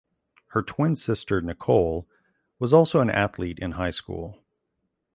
Her twin sister Nicole was also an athlete in high school.